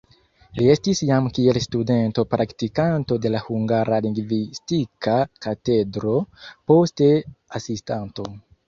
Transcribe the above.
Li estis jam kiel studento praktikanto de la Hungara Lingvistika Katedro, poste asistanto.